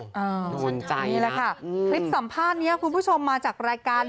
โดนใจนี่แหละค่ะคลิปสัมภาษณ์นี้คุณผู้ชมมาจากรายการ